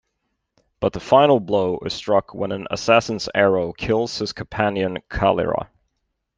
But the final blow is struck when an assassin's arrow kills his Companion Kalira.